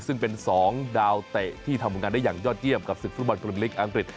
ซึ่งเป็น๒ดาวเตะที่ทำผลงานได้อย่างยอดเยี่ยมกับศึกฟุตบอลพลลิกอังกฤษ